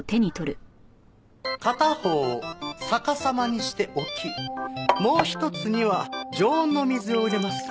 片方を逆さまにして置きもう一つには常温の水を入れます。